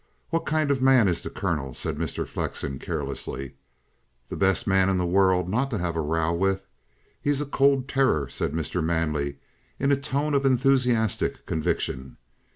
What kind of a man is the Colonel?" said Mr. Flexen carelessly. "The best man in the world not to have a row with. He's a cold terror," said Mr. Manley, in a tone of enthusiastic conviction.